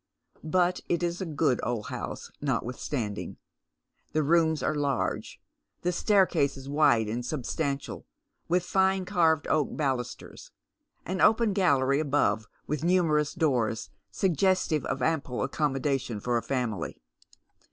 But it is a good old house notwithstanding. The "ooms are large, the staircase is wide and substantial, with fine carved oak balusters, an open galleiy above with numerous doors, suggestive of ample accommodation for a family.